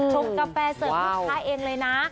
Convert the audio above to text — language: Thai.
กาแฟเสิร์ฟลูกค้าเองเลยนะ